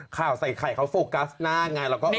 ข่าวใส่ไข่เขาโฟกัสหน้าไงแล้วก็เอากลัว